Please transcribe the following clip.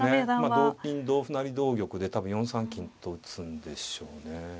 同金同歩成同玉で多分４三金と打つんでしょうね。